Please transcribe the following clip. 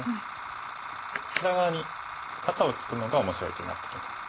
こちら側に肩をツクのが面白い手になってきます。